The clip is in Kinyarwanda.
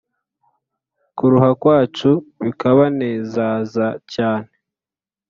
Kuruha kwacu bikabanezaza cyane